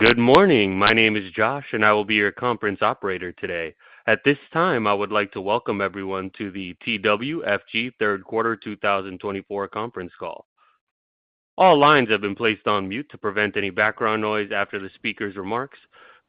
Good morning. My name is Josh, and I will be your conference operator today. At this time, I would like to welcome everyone to the TWFG third quarter 2024 conference call. All lines have been placed on mute to prevent any background noise after the speaker's remarks.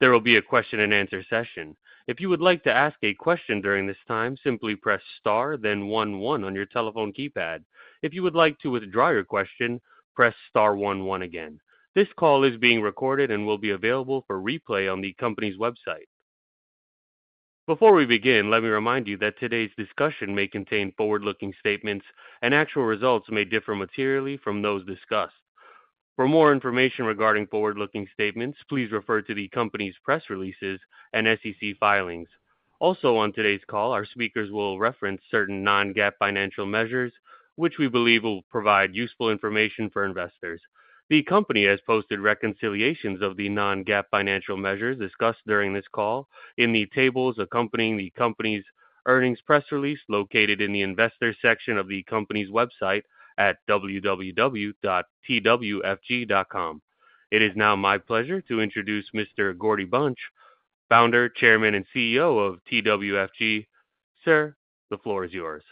There will be a question-and-answer session. If you would like to ask a question during this time, simply press star, then one one on your telephone keypad. If you would like to withdraw your question, press star one one again. This call is being recorded and will be available for replay on the company's website. Before we begin, let me remind you that today's discussion may contain forward-looking statements, and actual results may differ materially from those discussed. For more information regarding forward-looking statements, please refer to the company's press releases and SEC filings. Also, on today's call, our speakers will reference certain Non-GAAP financial measures, which we believe will provide useful information for investors. The company has posted reconciliations of the Non-GAAP financial measures discussed during this call in the tables accompanying the company's earnings press release, located in the investors' section of the company's website at www.twfg.com. It is now my pleasure to introduce Mr. Gordy Bunch, Founder, Chairman, and CEO of TWFG. Sir, the floor is yours.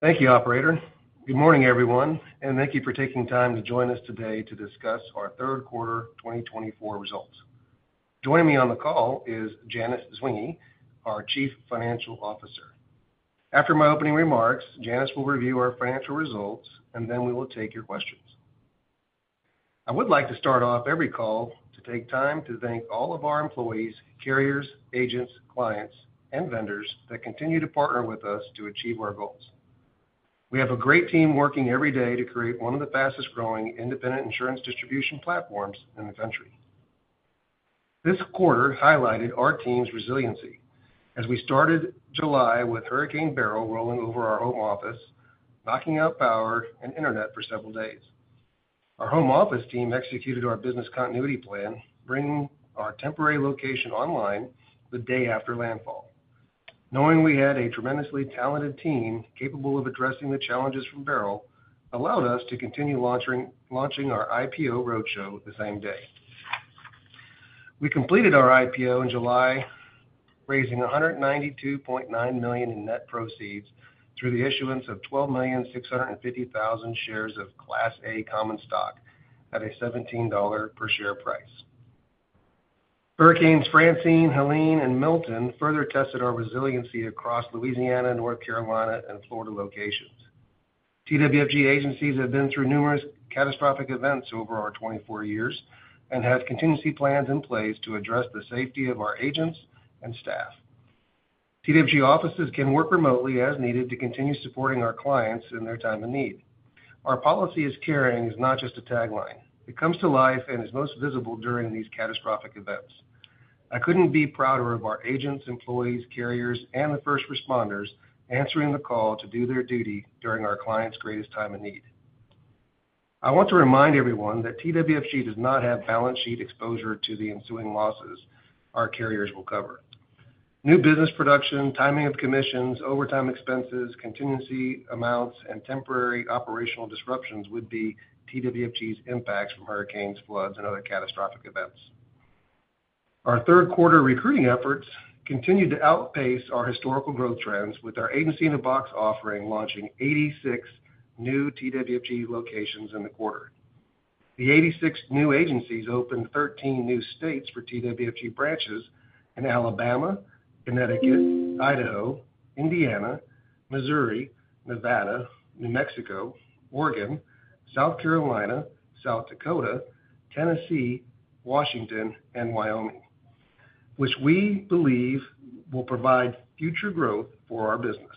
Thank you, operator. Good morning, everyone, and thank you for taking time to join us today to discuss our third quarter 2024 results. Joining me on the call is Janice Zwinggi, our Chief Financial Officer. After my opening remarks, Janice will review our financial results, and then we will take your questions. I would like to start off every call to take time to thank all of our employees, carriers, agents, clients, and vendors that continue to partner with us to achieve our goals. We have a great team working every day to create one of the fastest-growing independent insurance distribution platforms in the country. This quarter highlighted our team's resiliency as we started July with Hurricane Beryl rolling over our home office, knocking out power and internet for several days. Our home office team executed our business continuity plan, bringing our temporary location online the day after landfall. Knowing we had a tremendously talented team capable of addressing the challenges from Beryl allowed us to continue launching our IPO roadshow the same day. We completed our IPO in July, raising $192.9 million in net proceeds through the issuance of 12,650,000 shares of Class A common stock at a $17 per share price. Hurricanes Francine, Helene, and Milton further tested our resiliency across Louisiana, North Carolina, and Florida locations. TWFG agencies have been through numerous catastrophic events over our 24 years and have contingency plans in place to address the safety of our agents and staff. TWFG offices can work remotely as needed to continue supporting our clients in their time of need. Our Policy Is Caring is not just a tagline. It comes to life and is most visible during these catastrophic events. I couldn't be prouder of our agents, employees, carriers, and the first responders answering the call to do their duty during our clients' greatest time of need. I want to remind everyone that TWFG does not have balance sheet exposure to the ensuing losses our carriers will cover. New business production, timing of commissions, overtime expenses, contingency amounts, and temporary operational disruptions would be TWFG's impacts from hurricanes, floods, and other catastrophic events. Our third quarter recruiting efforts continue to outpace our historical growth trends, with our Agency-in-a-Box offering launching 86 new TWFG locations in the quarter. The 86 new agencies opened 13 new states for TWFG branches in Alabama, Connecticut, Idaho, Indiana, Missouri, Nevada, New Mexico, Oregon, South Carolina, South Dakota, Tennessee, Washington, and Wyoming, which we believe will provide future growth for our business.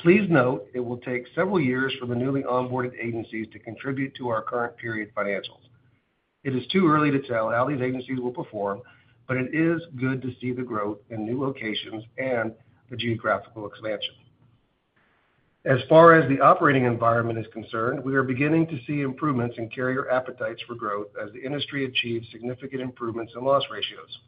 Please note it will take several years for the newly onboarded agencies to contribute to our current period financials. It is too early to tell how these agencies will perform, but it is good to see the growth in new locations and the geographical expansion. As far as the operating environment is concerned, we are beginning to see improvements in carrier appetites for growth as the industry achieves significant improvements in loss ratios.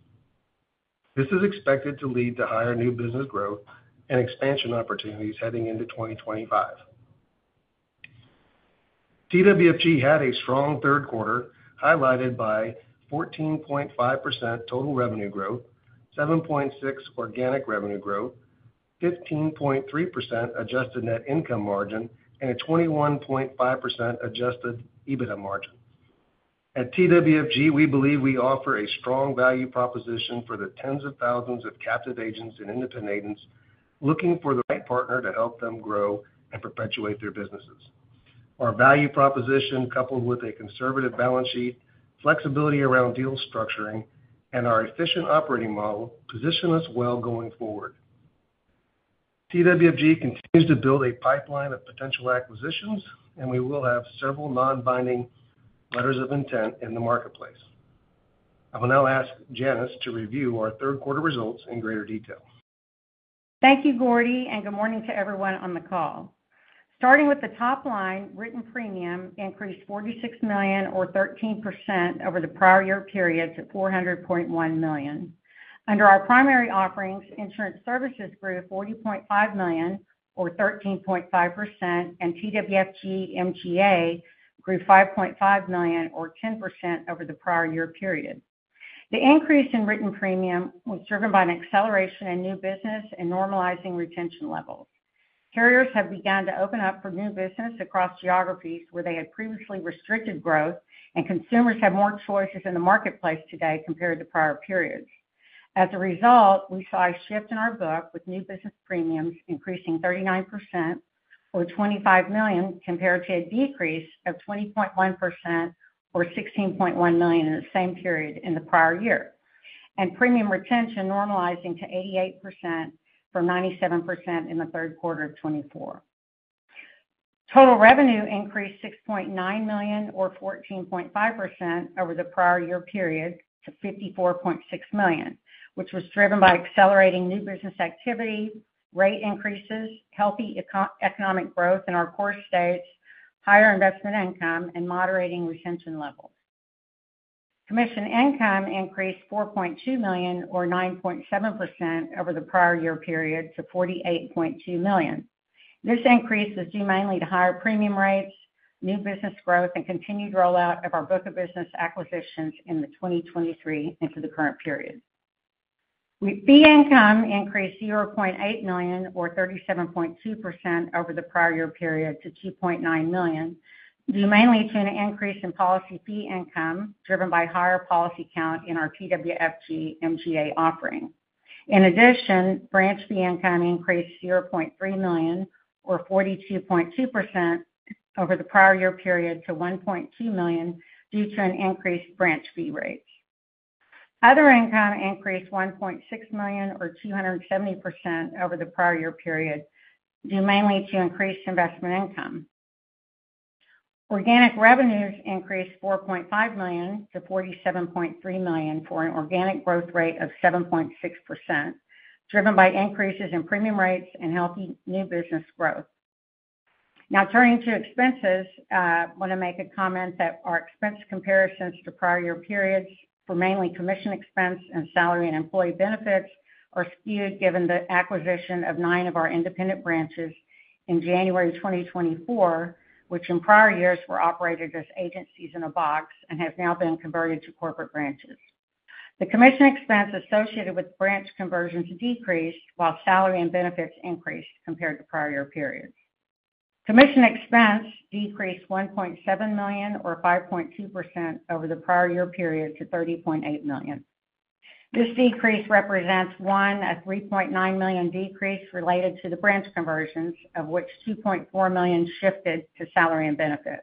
This is expected to lead to higher new business growth and expansion opportunities heading into 2025. TWFG had a strong third quarter highlighted by 14.5% total revenue growth, 7.6% organic revenue growth, 15.3% adjusted net income margin, and a 21.5% adjusted EBITDA margin. At TWFG, we believe we offer a strong value proposition for the tens of thousands of captive agents and independent agents looking for the right partner to help them grow and perpetuate their businesses. Our value proposition, coupled with a conservative balance sheet, flexibility around deal structuring, and our efficient operating model, position us well going forward. TWFG continues to build a pipeline of potential acquisitions, and we will have several non-binding letters of intent in the marketplace. I will now ask Janice to review our third quarter results in greater detail. Thank you, Gordy, and good morning to everyone on the call. Starting with the top line, written premium increased $46 million, or 13%, over the prior year period to $400.1 million. Under our primary offerings, insurance services grew $40.5 million, or 13.5%, and TWFG MGA grew $5.5 million, or 10%, over the prior year period. The increase in written premium was driven by an acceleration in new business and normalizing retention levels. Carriers have begun to open up for new business across geographies where they had previously restricted growth, and consumers have more choices in the marketplace today compared to prior periods. As a result, we saw a shift in our book, with new business premiums increasing 39%, or $25 million, compared to a decrease of 20.1%, or $16.1 million, in the same period in the prior year, and premium retention normalizing to 88% from 97% in the third quarter of 2024. Total revenue increased $6.9 million, or 14.5%, over the prior year period to $54.6 million, which was driven by accelerating new business activity, rate increases, healthy economic growth in our core states, higher investment income, and moderating retention levels. Commission income increased $4.2 million, or 9.7%, over the prior year period to $48.2 million. This increase was due mainly to higher premium rates, new business growth, and continued rollout of our book of business acquisitions in 2023 into the current period. Fee income increased $0.8 million, or 37.2%, over the prior year period to $2.9 million, due mainly to an increase in policy fee income driven by higher policy count in our TWFG MGA offering. In addition, branch fee income increased $0.3 million, or 42.2%, over the prior year period to $1.2 million due to an increased branch fee rate. Other income increased $1.6 million, or 270%, over the prior year period, due mainly to increased investment income. Organic revenues increased $4.5 million to $47.3 million for an organic growth rate of 7.6%, driven by increases in premium rates and healthy new business growth. Now, turning to expenses, I want to make a comment that our expense comparisons to prior year periods for mainly commission expense and salary and employee benefits are skewed given the acquisition of nine of our independent branches in January 2024, which in prior years were operated as Agencies-in-a-Box and have now been converted to corporate branches. The commission expense associated with branch conversions decreased while salary and benefits increased compared to prior year periods. Commission expense decreased $1.7 million, or 5.2%, over the prior year period to $30.8 million. This decrease represents one, a $3.9 million decrease related to the branch conversions, of which $2.4 million shifted to salary and benefits.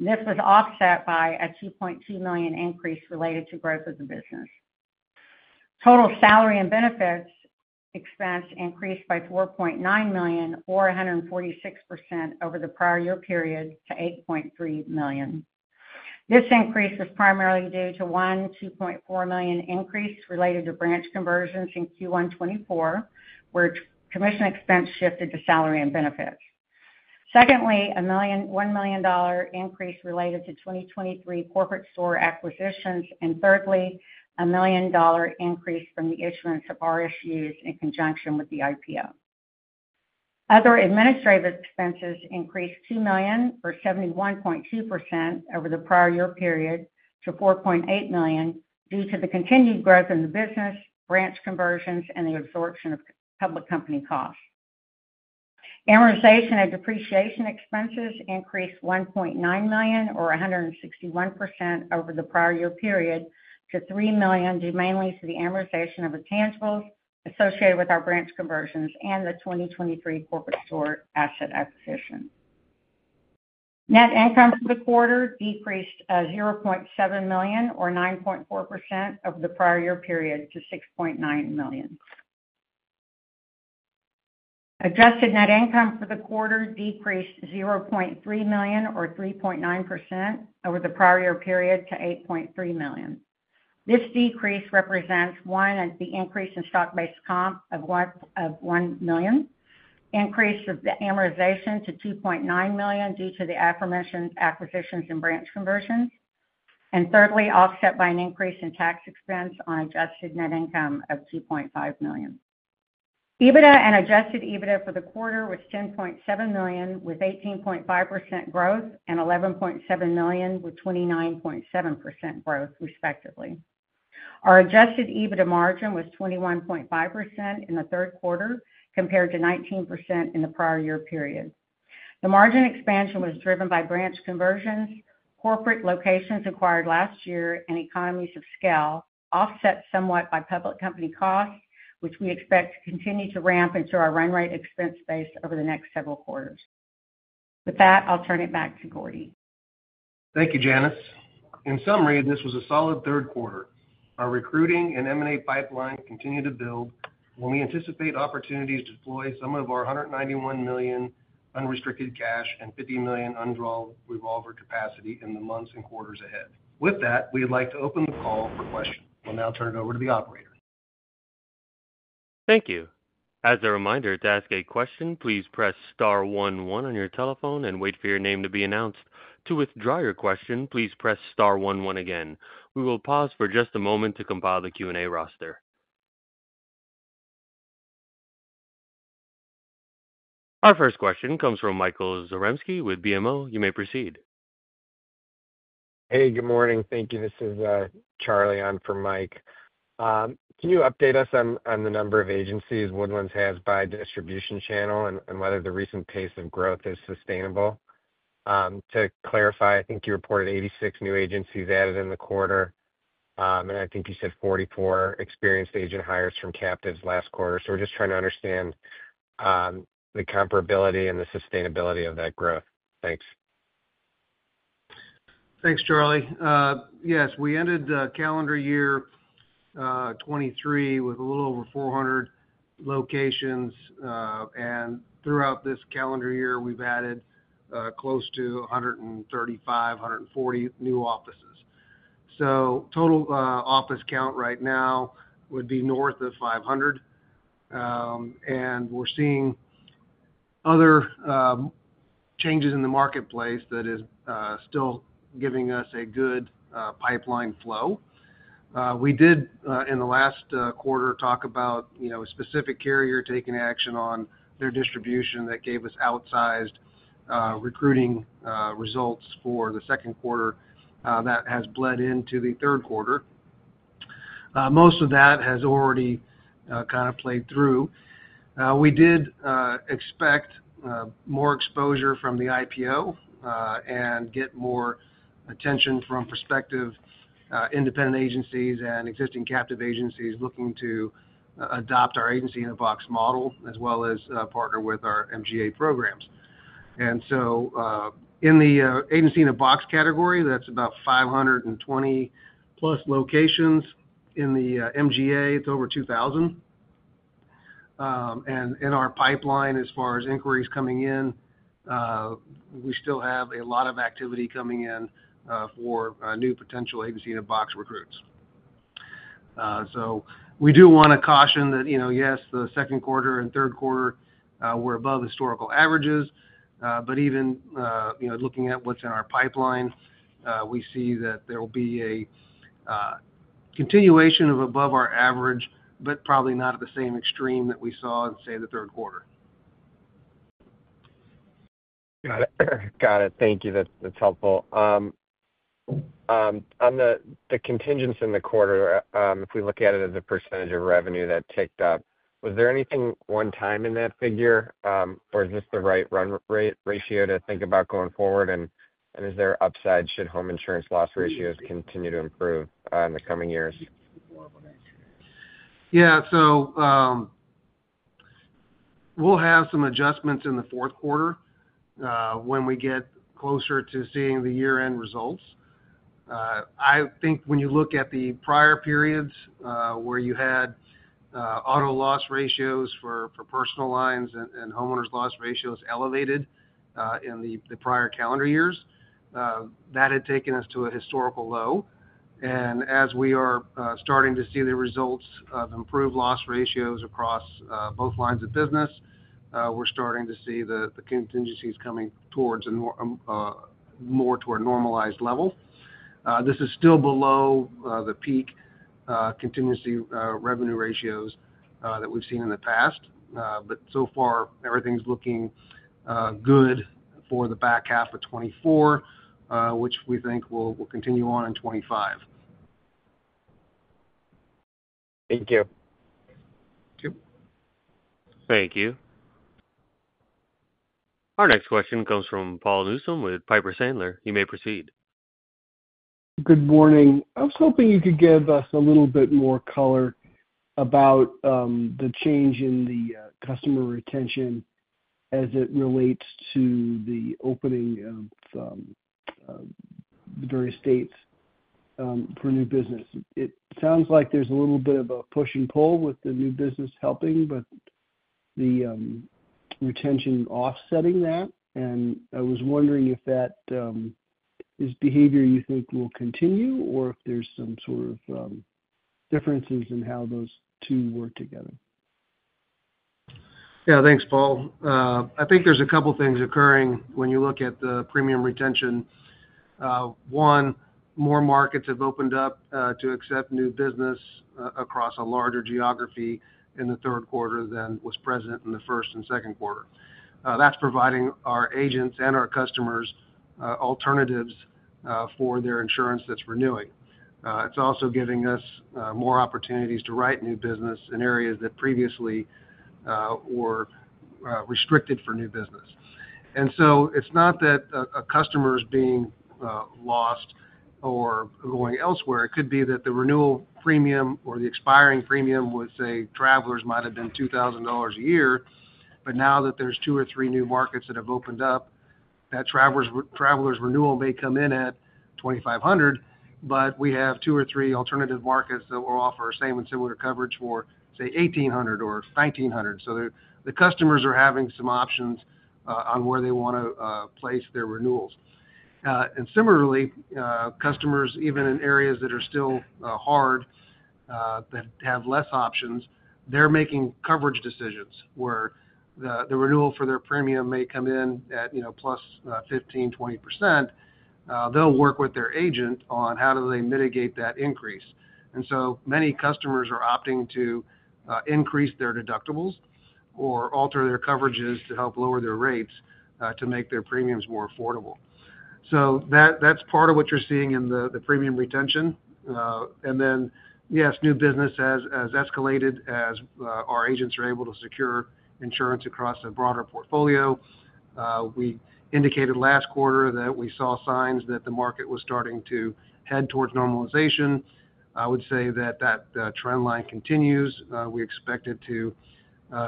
This was offset by a $2.2 million increase related to growth of the business. Total salary and benefits expense increased by $4.9 million, or 146%, over the prior year period to $8.3 million. This increase was primarily due to one, $2.4 million increase related to branch conversions in Q1 2024, where commission expense shifted to salary and benefits. Secondly, a $1 million increase related to 2023 corporate store acquisitions, and thirdly, a $1 million increase from the issuance of RSUs in conjunction with the IPO. Other administrative expenses increased $2 million, or 71.2%, over the prior year period to $4.8 million due to the continued growth in the business, branch conversions, and the absorption of public company costs. Amortization and depreciation expenses increased $1.9 million, or 161%, over the prior year period to $3 million, due mainly to the amortization of the intangibles associated with our branch conversions and the 2023 corporate store asset acquisition. Net income for the quarter decreased $0.7 million, or 9.4%, over the prior year period to $6.9 million. Adjusted net income for the quarter decreased $0.3 million, or 3.9%, over the prior year period to $8.3 million. This decrease represents one, the increase in stock-based comp of $1 million, increase of the amortization to $2.9 million due to the aforementioned acquisitions and branch conversions, and thirdly, offset by an increase in tax expense on adjusted net income of $2.5 million. EBITDA and adjusted EBITDA for the quarter was $10.7 million, with 18.5% growth, and $11.7 million, with 29.7% growth, respectively. Our adjusted EBITDA margin was 21.5% in the third quarter compared to 19% in the prior year period. The margin expansion was driven by branch conversions, corporate locations acquired last year, and economies of scale, offset somewhat by public company costs, which we expect to continue to ramp into our run rate expense base over the next several quarters. With that, I'll turn it back to Gordy. Thank you, Janice. In summary, this was a solid third quarter. Our recruiting and M&A pipeline continue to build, and we anticipate opportunities to deploy some of our $191 million unrestricted cash and $50 million undrawn revolver capacity in the months and quarters ahead. With that, we would like to open the call for questions. We'll now turn it over to the operator. Thank you. As a reminder, to ask a question, please press star one one on your telephone and wait for your name to be announced. To withdraw your question, please press star one one again. We will pause for just a moment to compile the Q&A roster. Our first question comes from Michael Zaremski with BMO. You may proceed. Hey, good morning. Thank you. This is Charlie, on for Mike. Can you update us on the number of agencies Woodlands has by distribution channel and whether the recent pace of growth is sustainable? To clarify, I think you reported 86 new agencies added in the quarter, and I think you said 44 experienced agent hires from captives last quarter. So we're just trying to understand the comparability and the sustainability of that growth. Thanks. Thanks, Charlie. Yes, we ended calendar year 2023 with a little over 400 locations, and throughout this calendar year, we've added close to 135, 140 new offices. So total office count right now would be north of 500, and we're seeing other changes in the marketplace that is still giving us a good pipeline flow. We did, in the last quarter, talk about a specific carrier taking action on their distribution that gave us outsized recruiting results for the second quarter that has bled into the third quarter. Most of that has already kind of played through. We did expect more exposure from the IPO and get more attention from prospective independent agencies and existing captive agencies looking to adopt our Agency-in-a-Box model as well as partner with our MGA programs. And so in the Agency-in-a-Box category, that's about 520-plus locations. In the MGA, it's over 2,000. In our pipeline, as far as inquiries coming in, we still have a lot of activity coming in for new potential Agency-in-a-Box recruits. So we do want to caution that, yes, the second quarter and third quarter were above historical averages, but even looking at what's in our pipeline, we see that there will be a continuation of above our average, but probably not at the same extreme that we saw in, say, the third quarter. Got it. Got it. Thank you. That's helpful. On the contingents in the quarter, if we look at it as a percentage of revenue that ticked up, was there anything one-time in that figure, or is this the right run rate ratio to think about going forward? And is there upside should home insurance loss ratios continue to improve in the coming years? Yeah. So we'll have some adjustments in the fourth quarter when we get closer to seeing the year-end results. I think when you look at the prior periods where you had auto loss ratios for personal lines and homeowners loss ratios elevated in the prior calendar years, that had taken us to a historical low. And as we are starting to see the results of improved loss ratios across both lines of business, we're starting to see the contingencies coming more toward a normalized level. This is still below the peak contingency revenue ratios that we've seen in the past, but so far, everything's looking good for the back half of 2024, which we think will continue on in 2025. Thank you. Thank you. Our next question comes from Paul Newsome with Piper Sandler. You may proceed. Good morning. I was hoping you could give us a little bit more color about the change in the customer retention as it relates to the opening of the various states for new business. It sounds like there's a little bit of a push and pull with the new business helping, but the retention offsetting that. And I was wondering if that is behavior you think will continue or if there's some sort of differences in how those two work together? Yeah. Thanks, Paul. I think there's a couple of things occurring when you look at the premium retention. One, more markets have opened up to accept new business across a larger geography in the third quarter than was present in the first and second quarter. That's providing our agents and our customers alternatives for their insurance that's renewing. It's also giving us more opportunities to write new business in areas that previously were restricted for new business. And so it's not that a customer is being lost or going elsewhere. It could be that the renewal premium or the expiring premium with, say, Travelers might have been $2,000 a year, but now that there's two or three new markets that have opened up, that Travelers' renewal may come in at $2,500, but we have two or three alternative markets that will offer same and similar coverage for, say, $1,800 or $1,900. So the customers are having some options on where they want to place their renewals. And similarly, customers, even in areas that are still hard, that have less options, they're making coverage decisions where the renewal for their premium may come in at +15%, 20%. They'll work with their agent on how do they mitigate that increase. And so many customers are opting to increase their deductibles or alter their coverages to help lower their rates to make their premiums more affordable. So that's part of what you're seeing in the premium retention. And then, yes, new business has escalated as our agents are able to secure insurance across a broader portfolio. We indicated last quarter that we saw signs that the market was starting to head towards normalization. I would say that that trend line continues. We expect it to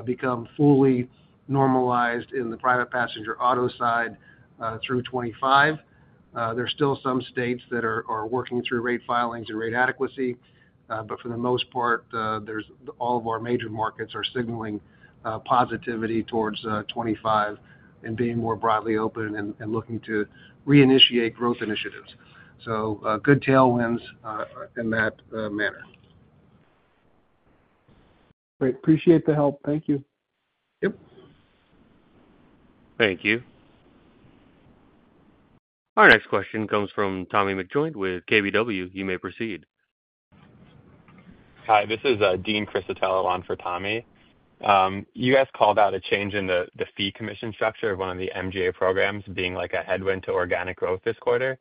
become fully normalized in the private passenger auto side through 2025. There's still some states that are working through rate filings and rate adequacy, but for the most part, all of our major markets are signaling positivity towards 2025 and being more broadly open and looking to reinitiate growth initiatives. So good tailwinds in that manner. Great. Appreciate the help. Thank you. Yep. Thank you. Our next question comes from Tommy McJoynt with KBW. You may proceed. Hi. This is Dean Criscitiello for Tommy. You guys called out a change in the fee commission structure of one of the MGA programs being like a headwind to organic growth this quarter.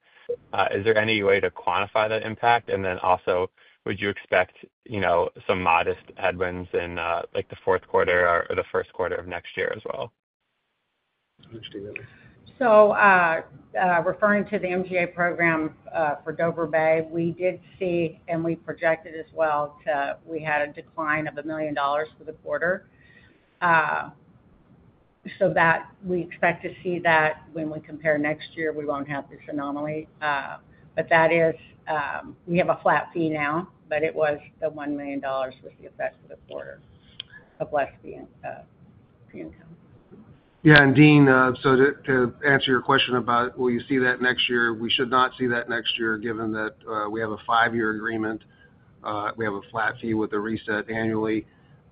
Is there any way to quantify that impact? And then also, would you expect some modest headwinds in the fourth quarter or the first quarter of next year as well? I understand. So, referring to the MGA program for Dover Bay, we did see and we projected as well to we had a decline of $1 million for the quarter. So we expect to see that when we compare next year. We won't have this anomaly. But that is, we have a flat fee now, but it was the $1 million with the effect for the quarter of less fee income. Yeah. And Dean, so to answer your question about will you see that next year, we should not see that next year given that we have a five-year agreement. We have a flat fee with a reset annually.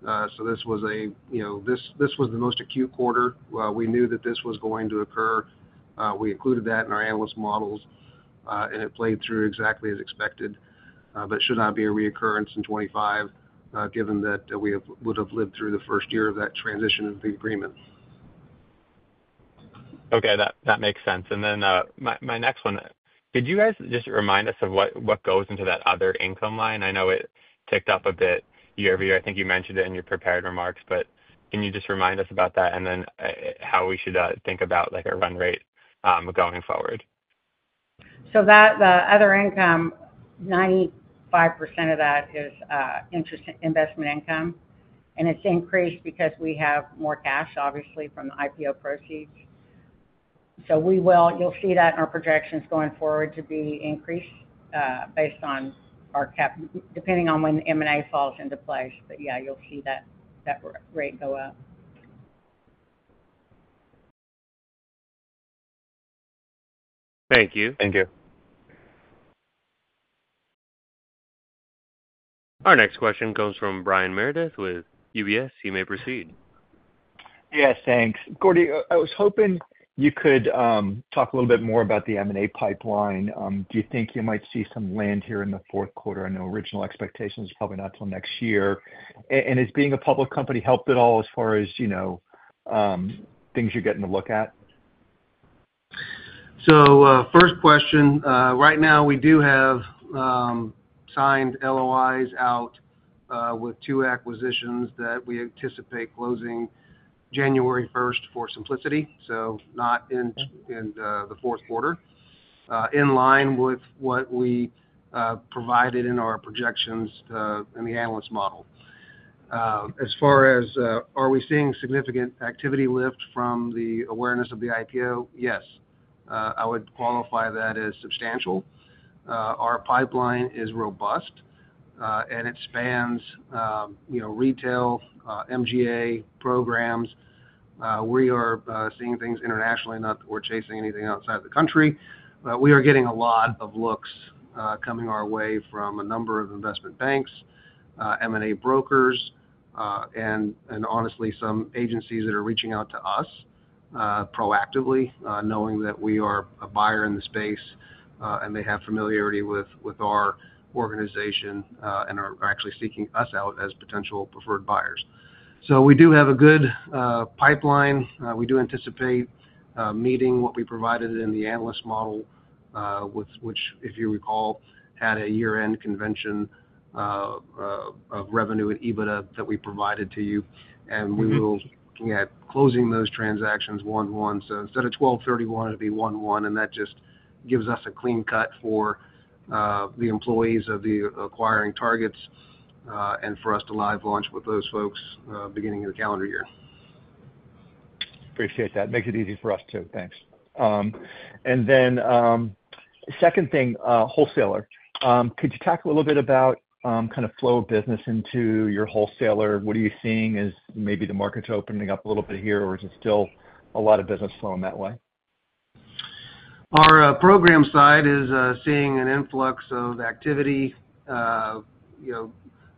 So this was the most acute quarter. We knew that this was going to occur. We included that in our analyst models, and it played through exactly as expected, but should not be a reoccurrence in 2025 given that we would have lived through the first year of that transition of the agreement. Okay. That makes sense. And then my next one, could you guys just remind us of what goes into that other income line? I know it ticked up a bit year-over-year. I think you mentioned it in your prepared remarks, but can you just remind us about that and then how we should think about a run rate going forward? So that other income, 95% of that is interest investment income, and it's increased because we have more cash, obviously, from the IPO proceeds. So you'll see that in our projections going forward to be increased based on our depending on when M&A falls into place. But yeah, you'll see that rate go up. Thank you. Thank you. Our next question comes from Brian Meredith with UBS. You may proceed. Yes. Thanks. Gordy, I was hoping you could talk a little bit more about the M&A pipeline. Do you think you might see some land here in the fourth quarter? I know original expectations are probably not till next year. And is being a public company helped at all as far as things you're getting to look at? So first question, right now, we do have signed LOIs out with two acquisitions that we anticipate closing January 1st for simplicity, so not in the fourth quarter, in line with what we provided in our projections in the analyst model. As far as are we seeing significant activity lift from the awareness of the IPO? Yes. I would qualify that as substantial. Our pipeline is robust, and it spans retail MGA programs. We are seeing things internationally. We're chasing anything outside the country. We are getting a lot of looks coming our way from a number of investment banks, M&A brokers, and honestly, some agencies that are reaching out to us proactively, knowing that we are a buyer in the space and they have familiarity with our organization and are actually seeking us out as potential preferred buyers. So we do have a good pipeline. We do anticipate meeting what we provided in the analyst model, which, if you recall, had a year-end convention of revenue and EBITDA that we provided to you. And we will be closing those transactions 1/1. So instead of 12/30, we want it to be 1/1, and that just gives us a clean cut for the employees of the acquiring targets and for us to live launch with those folks beginning of the calendar year. Appreciate that. Makes it easy for us too. Thanks. And then second thing, wholesaler. Could you talk a little bit about kind of flow of business into your wholesaler? What are you seeing as maybe the market's opening up a little bit here, or is it still a lot of business flowing that way? Our program side is seeing an influx of activity. The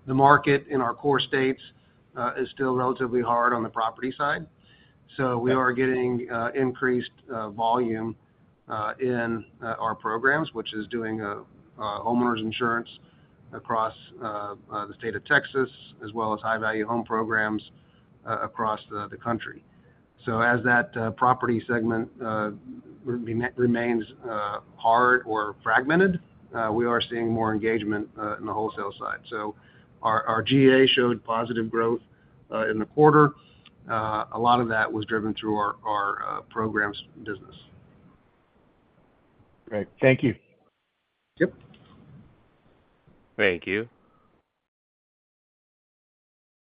market in our core states is still relatively hard on the property side. So we are getting increased volume in our programs, which is doing homeowners insurance across the state of Texas as well as high-value home programs across the country. So as that property segment remains hard or fragmented, we are seeing more engagement in the wholesale side. So our GA showed positive growth in the quarter. A lot of that was driven through our programs business. Great. Thank you. Yep. Thank you.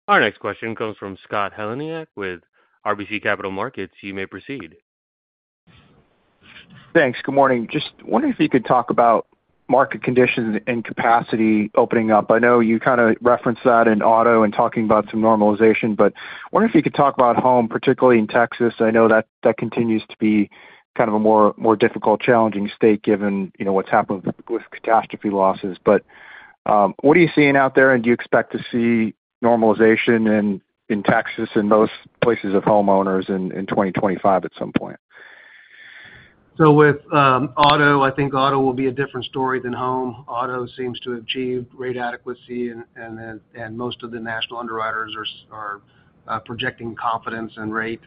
Our next question comes from Scott Heleniak with RBC Capital Markets. You may proceed. Thanks. Good morning. Just wondering if you could talk about market conditions and capacity opening up. I know you kind of referenced that in auto and talking about some normalization, but I wonder if you could talk about home, particularly in Texas. I know that that continues to be kind of a more difficult, challenging state given what's happened with catastrophe losses. But what are you seeing out there, and do you expect to see normalization in Texas and those places of homeowners in 2025 at some point? So with auto, I think auto will be a different story than home. Auto seems to have achieved rate adequacy, and most of the national underwriters are projecting confidence in rate.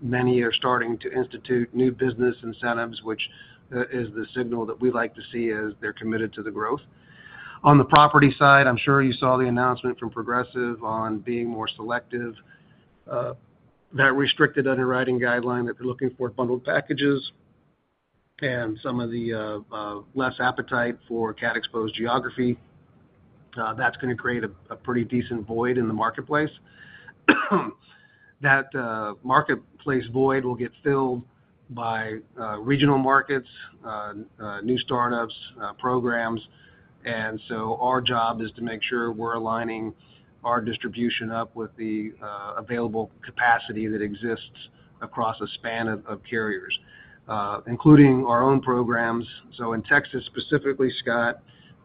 Many are starting to institute new business incentives, which is the signal that we like to see as they're committed to the growth. On the property side, I'm sure you saw the announcement from Progressive on being more selective, that restricted underwriting guideline that they're looking for bundled packages and some of the less appetite for cat-exposed geography. That's going to create a pretty decent void in the marketplace. That marketplace void will get filled by regional markets, new startups, programs. And so our job is to make sure we're aligning our distribution up with the available capacity that exists across a span of carriers, including our own programs. So in Texas specifically, Scott,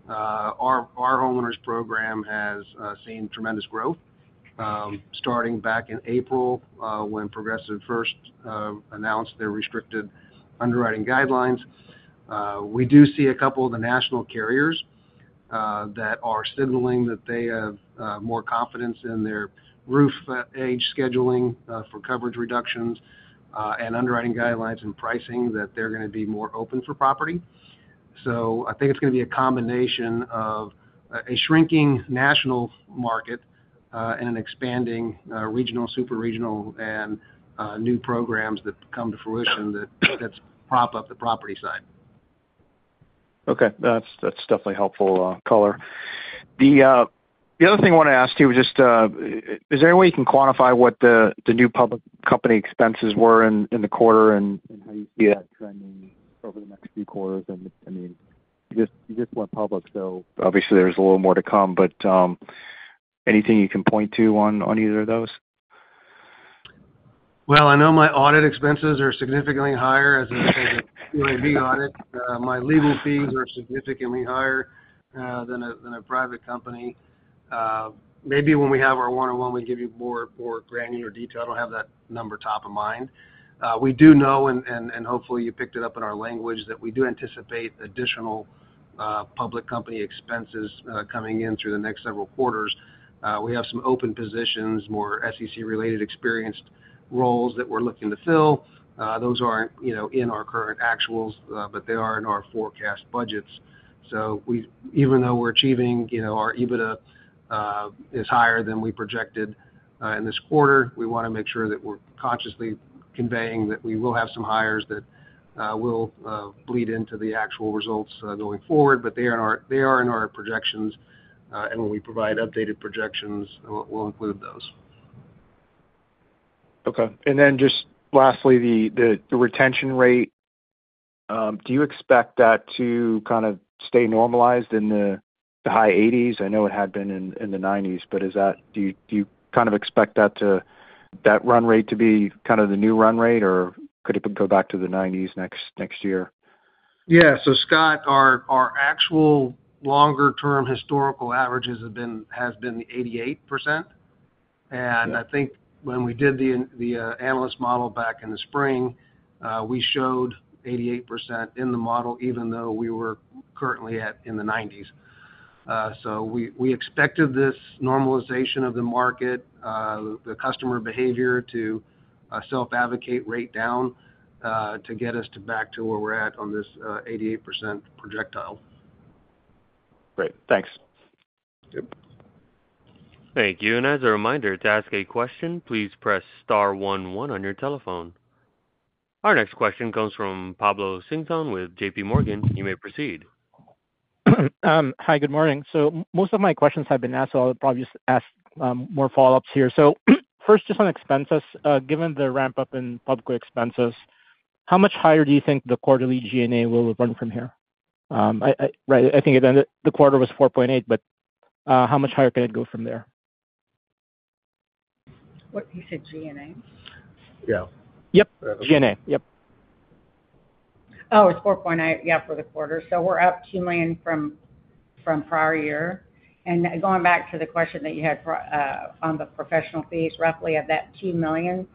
our homeowners program has seen tremendous growth starting back in April when Progressive first announced their restricted underwriting guidelines. We do see a couple of the national carriers that are signaling that they have more confidence in their roof age scheduling for coverage reductions and underwriting guidelines and pricing that they're going to be more open for property. So I think it's going to be a combination of a shrinking national market and an expanding regional, super regional, and new programs that come to fruition that prop up the property side. Okay. That's definitely helpful, color. The other thing I want to ask you is just, is there any way you can quantify what the new public company expenses were in the quarter and how you see that trending over the next few quarters? I mean, you just went public, so obviously, there's a little more to come, but anything you can point to on either of those? I know my audit expenses are significantly higher as a PCAOB audit. My legal fees are significantly higher than a private company. Maybe when we have our 1/1, we give you more granular detail. I don't have that number top of mind. We do know, and hopefully, you picked it up in our language, that we do anticipate additional public company expenses coming in through the next several quarters. We have some open positions, more SEC-related experienced roles that we're looking to fill. Those aren't in our current actuals, but they are in our forecast budgets. So even though we're achieving, our EBITDA is higher than we projected in this quarter, we want to make sure that we're consciously conveying that we will have some hires that will bleed into the actual results going forward. But they are in our projections, and when we provide updated projections, we'll include those. Okay. And then just lastly, the retention rate, do you expect that to kind of stay normalized in the high 80s? I know it had been in the 90s, but do you kind of expect that run rate to be kind of the new run rate, or could it go back to the 90s next year? Yeah. So, Scott, our actual longer-term historical averages have been 88%, and I think when we did the analyst model back in the spring, we showed 88% in the model even though we were currently in the 90s, so we expected this normalization of the market, the customer behavior to self-advocate rate down to get us back to where we're at on this 88% trajectory. Great. Thanks. Yep. Thank you. And as a reminder, to ask a question, please press star one one on your telephone. Our next question comes from Pablo Singzon with JPMorgan. You may proceed. Hi. Good morning. So most of my questions have been asked, so I'll probably just ask more follow-ups here. So first, just on expenses, given the ramp-up in public expenses, how much higher do you think the quarterly G&A will run from here? Right. I think the quarter was 4.8, but how much higher can it go from there? You said G&A? Yeah. Yep. G&A. Yep. Oh, it's $4.8, yeah, for the quarter. So we're up $2 million from prior year. And going back to the question that you had on the professional fees, roughly of that $2 million,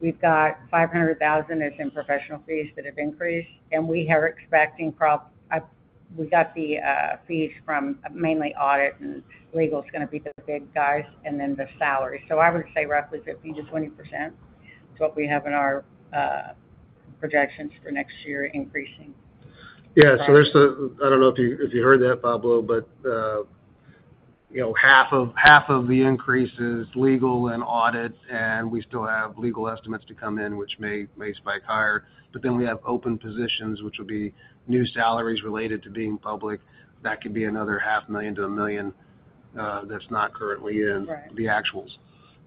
we've got $500,000 as in professional fees that have increased. And we are expecting we got the fees from mainly audit and legal is going to be the big guys, and then the salary. So I would say roughly 15%-20% is what we have in our projections for next year increasing. Yeah. So I don't know if you heard that, Pablo, but half of the increase is legal and audit, and we still have legal estimates to come in, which may spike higher. But then we have open positions, which will be new salaries related to being public. That could be another $500,000-$1 million that's not currently in the actuals.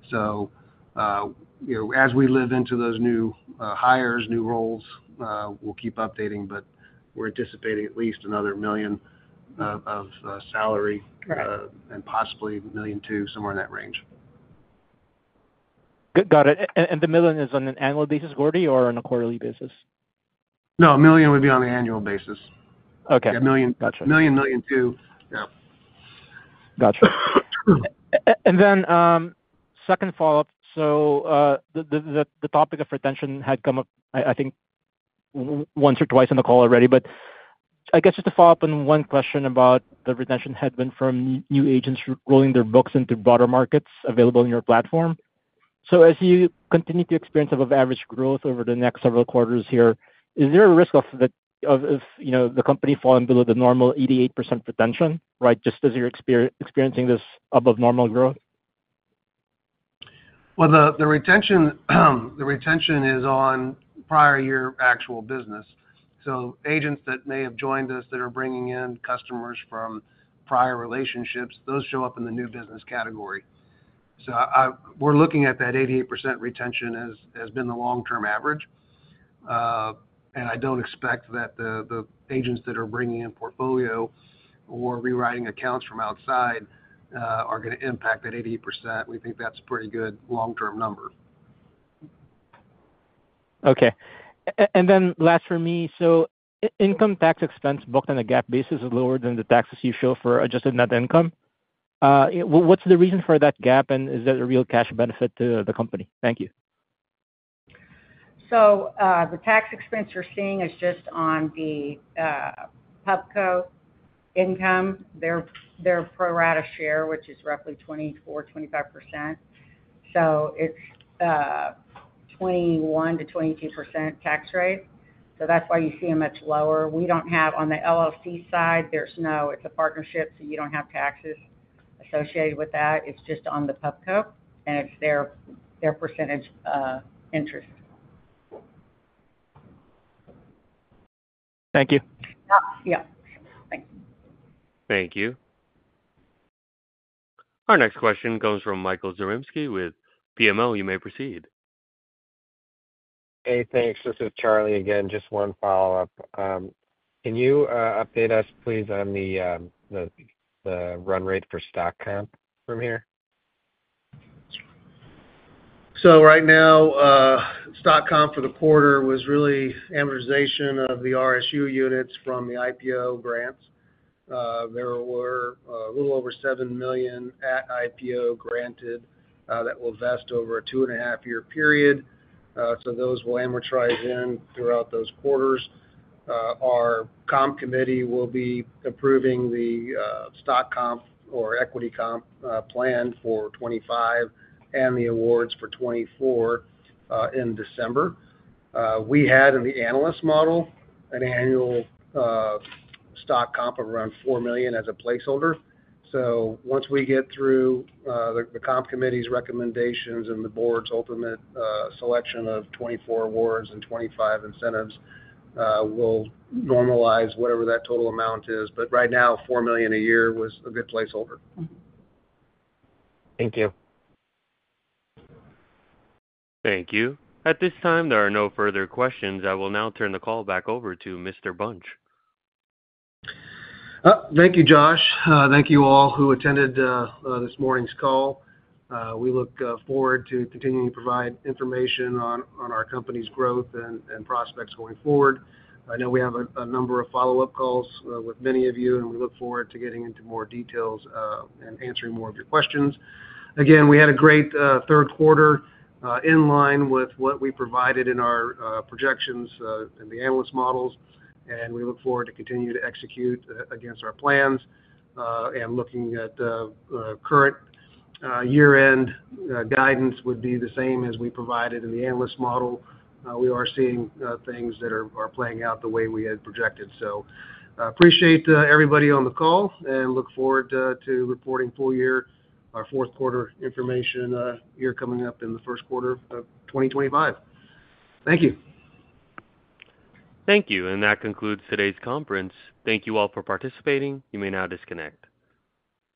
So as we live into those new hires, new roles, we'll keep updating, but we're anticipating at least another $1 million of salary and possibly $1 million to somewhere in that range. Got it. And the million is on an annual basis, Gordy, or on a quarterly basis? No. A million would be on an annual basis. Okay. Gotcha. A million to. Gotcha. And then second follow-up. So the topic of retention had come up, I think, once or twice in the call already, but I guess just to follow up on one question about the retention had been from new agents rolling their books into broader markets available in your platform. So as you continue to experience above-average growth over the next several quarters here, is there a risk of the company falling below the normal 88% retention, right, just as you're experiencing this above-normal growth? The retention is on prior year actual business. Agents that may have joined us that are bringing in customers from prior relationships, those show up in the new business category. We're looking at that 88% retention as being the long-term average. I don't expect that the agents that are bringing in portfolio or rewriting accounts from outside are going to impact that 88%. We think that's a pretty good long-term number. Okay, and then last for me, so income tax expense booked on a GAAP basis is lower than the taxes you show for adjusted net income. What's the reason for that GAAP, and is that a real cash benefit to the company? Thank you. So the tax expense you're seeing is just on the PubCo income. Their pro rata share, which is roughly 24%, 25%. So it's 21%-22% tax rate. So that's why you see them much lower. We don't have on the LLC side, there's no it's a partnership, so you don't have taxes associated with that. It's just on the PubCo, and it's their percentage interest. Thank you. Yeah. Thank you. Thank you. Our next question comes from Michael Zaremski with BMO. You may proceed. Hey, thanks. This is Charlie again. Just one follow-up. Can you update us, please, on the run rate for stock comp from here? Right now, stock comp for the quarter was really amortization of the RSUs from the IPO grants. There were a little over 7 million at IPO granted that will vest over a two-and-a-half-year period. Those will amortize throughout those quarters. Our comp committee will be approving the stock comp or equity comp plan for 2025 and the awards for 2024 in December. We had, in the analyst model, an annual stock comp of around 4 million as a placeholder. Once we get through the comp committee's recommendations and the board's ultimate selection of 2024 awards and 2025 incentives, we'll normalize whatever that total amount is. Right now, 4 million a year was a good placeholder. Thank you. Thank you. At this time, there are no further questions. I will now turn the call back over to Mr. Bunch. Thank you, Josh. Thank you all who attended this morning's call. We look forward to continuing to provide information on our company's growth and prospects going forward. I know we have a number of follow-up calls with many of you, and we look forward to getting into more details and answering more of your questions. Again, we had a great third quarter in line with what we provided in our projections and the analyst models, and we look forward to continue to execute against our plans, and looking at the current year-end guidance would be the same as we provided in the analyst model. We are seeing things that are playing out the way we had projected, so appreciate everybody on the call and look forward to reporting full year, our fourth quarter information year coming up in the first quarter of 2025. Thank you. Thank you. And that concludes today's conference. Thank you all for participating. You may now disconnect.